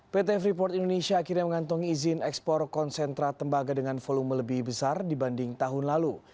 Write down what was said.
pt freeport indonesia akhirnya mengantongi izin ekspor konsentrat tembaga dengan volume lebih besar dibanding tahun lalu